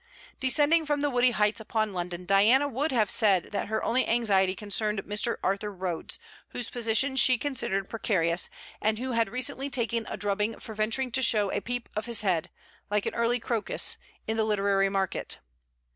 Descending from the woody heights upon London, Diana would have said that her only anxiety concerned young Mr. Arthur Rhodes, whose position she considered precarious, and who had recently taken a drubbing for venturing to show a peep of his head, like an early crocus, in the literary market.